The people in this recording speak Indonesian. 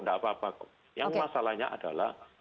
tidak apa apa kok yang masalahnya adalah